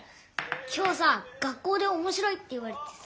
今日さ学校でおもしろいって言われてさ。